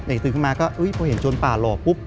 เอกตื่นขึ้นมาก็เห็นโจรป่ารอปุ๊บ